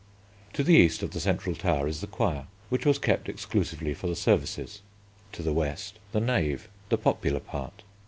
To the east of the Central Tower is the Choir, which was kept exclusively for the services; to the west, the Nave, the popular part.